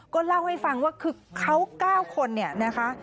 ก็เล่าให้ฟังว่าคือเขา๙คนเนี่ยนะคะ